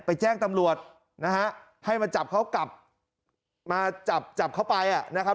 แจ้งตำรวจนะฮะให้มาจับเขากลับมาจับจับเขาไปอ่ะนะครับ